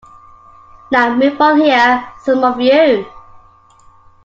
Now move on here, some of you.